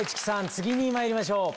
次にまいりましょう。